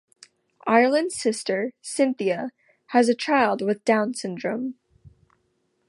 Ireland's sister, Cynthia, has a child with Down syndrome.